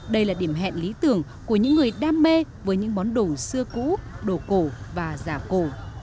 đây là điểm hẹn lý tưởng của những người đam mê với những món đồ xưa cũ đồ cổ và giả cổ